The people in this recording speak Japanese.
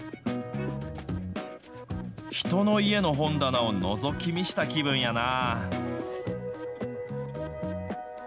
人の家の本棚をのぞき見した気分やな。